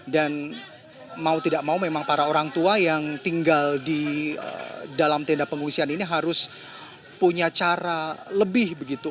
dan mau tidak mau memang para orang tua yang tinggal di dalam tenda pengungsian ini harus punya cara lebih begitu